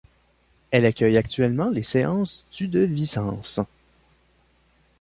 Elle accueille actuellement les séances du de Vicence.